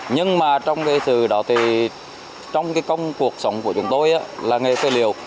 nhưng mà trong cái sự đó thì trong cái công cuộc sống của chúng tôi là nghề phế liệu